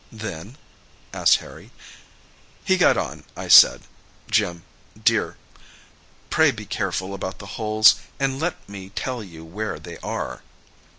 "Then?" asked Harry. "He got on. I said, 'Jim, dear, pray be careful about the holes, and let me tell you where they are!